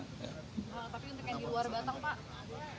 tapi untuk yang di luar batang pak